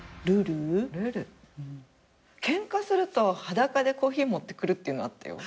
ケンカすると裸でコーヒー持ってくるっていうのはあったよ。